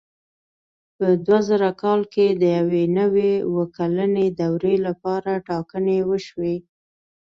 په دوه زره کال کې د یوې نوې اووه کلنې دورې لپاره ټاکنې وشوې.